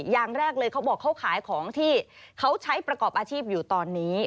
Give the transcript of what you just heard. อย่างแรกเลยเขาบอกเขาขายของที่เขาใช้ประกอบอาชีพอยู่ตอนนี้